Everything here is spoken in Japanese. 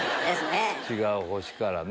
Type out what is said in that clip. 違う星からね。